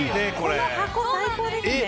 この箱、最高ですね。